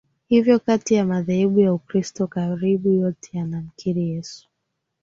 Hivyo kati ya madhehebu ya Ukristo karibu yote yanamkiri Yesu